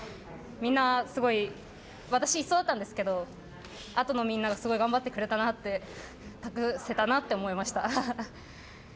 みんな、すごい私、１走だったんですがあとのみんながすごい頑張ってくれたなって託せたなと思いました。